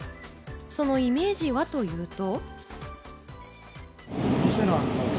そのイメージはというと。